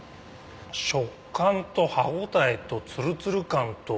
食感と歯応えとツルツル感と。